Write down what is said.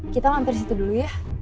kita lampir situ dulu ya